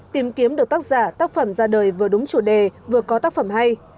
tìm kiếm được tác giả tác phẩm ra đời vừa đúng chủ đề vừa có tác phẩm hay